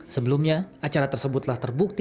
sebelumnya acara tersebut telah terbukti